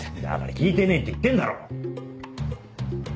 だから聞いてねえって言ってんだろ！